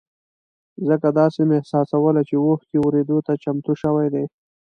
ځکه داسې مې احساسوله چې اوښکې ورېدو ته چمتو شوې دي.